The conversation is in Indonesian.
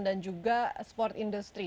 dan juga sport industri